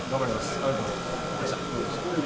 ありがとうございます。